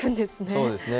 そうですね。